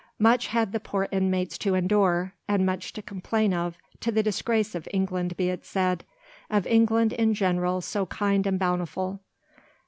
Much had the poor inmates to endure, and much to complain of, to the disgrace of England be it said—of England, in general so kind and bountiful.